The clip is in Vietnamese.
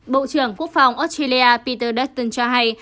bộ trưởng quốc phòng australia peter dutton cho hay